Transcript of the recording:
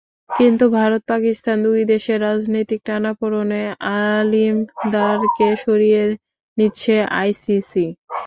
কিন্তু ভারত-পাকিস্তান দুই দেশের রাজনৈতিক টানাপোড়েনে আলিম দারকে সরিয়ে নিচ্ছে আইসিসি।